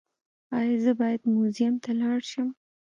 ایا زه باید موزیم ته لاړ شم؟